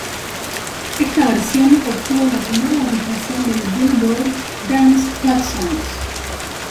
Esta versión obtuvo la primera ubicación del "Billboard" Dance Club Songs.